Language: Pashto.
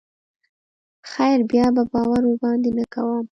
خير بيا به باور ورباندې نه کوم.